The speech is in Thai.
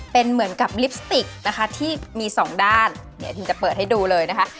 เป็นเหมือนกับลิปสติกนะคะที่มีสองด้านเนี่ยทีมจะเปิดให้ดูเลยนะคะ